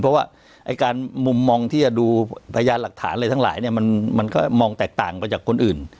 เพราะว่าการมุมมองที่จะดูพยานหลักฐานอะไรทั้งหลายเนี่ยมันก็มองแตกต่างไปจากคนอื่น